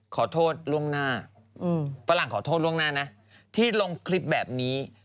ขอโทษล่วงหน้าฝรั่งขอโทษล่วงหน้านะที่ลงคลิปแบบนี้